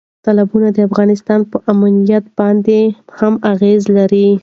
تالابونه د افغانستان په امنیت باندې هم اغېز لري.